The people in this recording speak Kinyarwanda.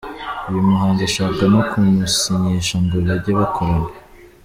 Uyu muhanzi ashaka no kumusinyisha ngo bajye bakorana.